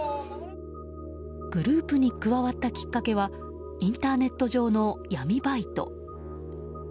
グループに加わったきっかけはインターネット上の闇バイト。